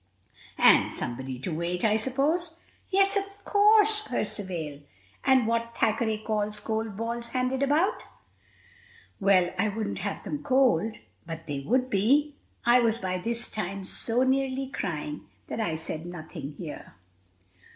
"And somebody to wait, I suppose?" "Yes, of course, Percivale." "And what Thackeray calls cold balls handed about?" "Well, I wouldn't have them cold." "But they would be." I was by this time so nearly crying, that I said nothing here.